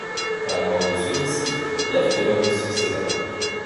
À la mort de celui-ci, Yarker lui succéda.